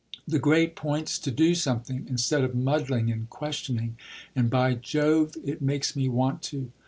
"The great point's to do something, instead of muddling and questioning; and, by Jove, it makes me want to!"